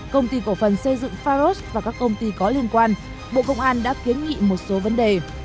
công ty cổ phần xây dựng pharos và các công ty có liên quan bộ công an đã kiến nghị một số vấn đề